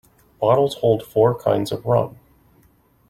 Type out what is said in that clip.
Bottles hold four kinds of rum.